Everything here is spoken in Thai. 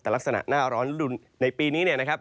แต่ลักษณะหน้าร้อนฤดูในปีนี้นะครับ